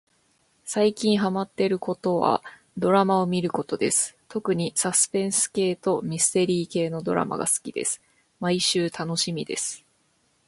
さいきんはまってることはどらまをみることですとくにさすぺんすけいとみすてりーけいのどらまがすきですまいしゅうたのしみです